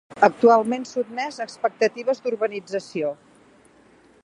Actualment sotmès a expectatives d'urbanització.